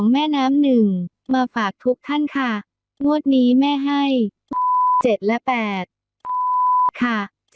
แม่น้ำหนึ่งมาฝากทุกท่านค่ะงวดนี้แม่ให้๗และ๘ค่ะ